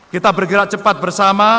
kita bergerak cepat bersama